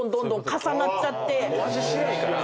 味しないから。